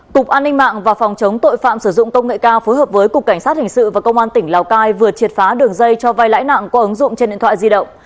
cục an ninh mạng và phòng chống tội phạm sử dụng công nghệ cao phối hợp với cục cảnh sát hình sự và công an tỉnh lào cai vừa triệt phá đường dây cho vai lãi nặng qua ứng dụng trên điện thoại di động